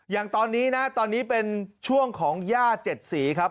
อย่างตอนนี้นะตอนนี้เป็นช่วงของย่า๗สีครับ